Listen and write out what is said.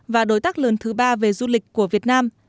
và đối tác lớn thứ ba về du lịch của việt nam